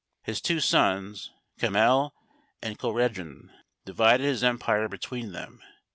His two sons, Camhel and Cohreddin, divided his empire between them.